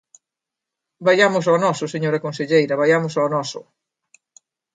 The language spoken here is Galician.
Vaiamos ao noso, señora conselleira, vaiamos ao noso.